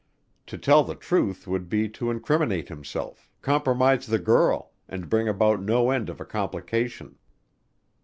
To tell the truth would be to incriminate himself, compromise the girl, and bring about no end of a complication.